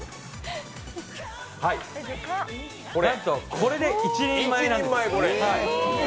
なんと、これで１人前なんですよ。